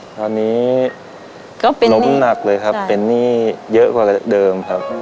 ตอนนี้ก็เป็นล้มหนักเลยครับเป็นหนี้เยอะกว่าเดิมครับ